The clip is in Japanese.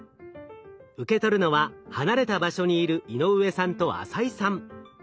受け取るのは離れた場所にいる井上さんと浅井さん。